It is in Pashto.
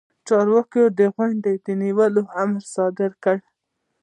چارواکي د غونډې د نیولو امر صادر کړ.